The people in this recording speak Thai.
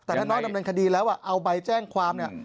แต่ถ้าน้อยดำเนินคดีแล้วเอาใบแจ้งความเนี่ย